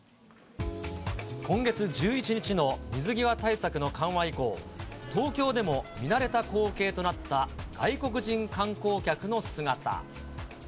今月１１日の水際対策の緩和以降、東京でも見慣れた光景となった外国人観光客の姿。